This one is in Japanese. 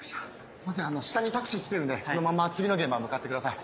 すみません下にタクシー来てるんでこのまま次の現場向かってください。